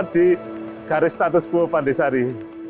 di garis status quo pandisari